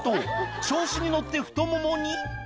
調子に乗って太ももに。